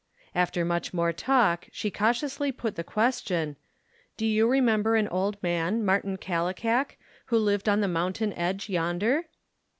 After much more talk she cautiously put the question, "Do you remember an old man, Martin Kallikak, who lived on the mountain edge yonder